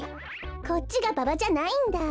こっちがババじゃないんだ。